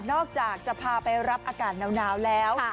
อกจากจะพาไปรับอากาศหนาวแล้ว